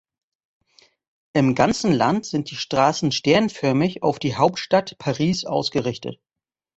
Im ganzen Land sind die Straßen sternförmig auf die Hauptstadt Paris ausgerichtet.